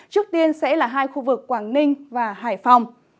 trước tiên sẽ là hai khu vực quảng ninh và hải phòng